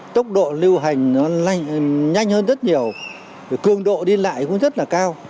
tốc độ lưu hành nó nhanh hơn rất nhiều cương độ đi lại cũng rất là cao